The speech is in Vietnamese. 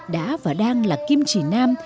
đã và đang là kim chỉ nam